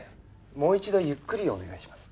もう一度ゆっくりお願いします